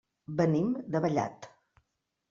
Venim de Vallat.